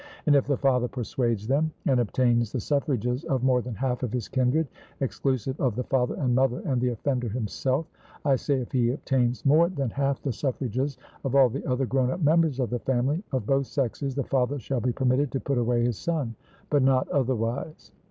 And if the father persuades them, and obtains the suffrages of more than half of his kindred, exclusive of the father and mother and the offender himself I say, if he obtains more than half the suffrages of all the other grown up members of the family, of both sexes, the father shall be permitted to put away his son, but not otherwise.